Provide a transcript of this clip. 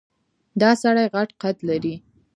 دا سړی غټ قد لري.